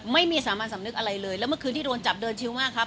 ไม่สามารถสำนึกอะไรเลยแล้วเมื่อคืนที่โดนจับเดินชิวมากครับ